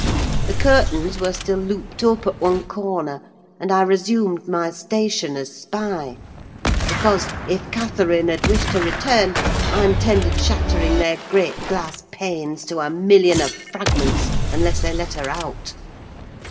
The curtains were still looped up at one corner, and I resumed my station as spy; because, if Catherine had wished to return, I intended shattering their great glass panes to a million of fragments, unless they let her out.